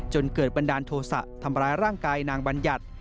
จนเกิดบันดาลโทษะทำร้ายร่างกายนางบัญญัติ